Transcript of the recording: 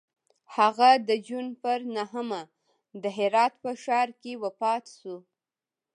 هغه د جون پر نهمه د هرات په ښار کې وفات شو.